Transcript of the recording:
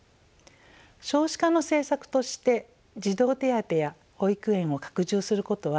少子化の政策として児童手当や保育園を拡充することは大事なことです。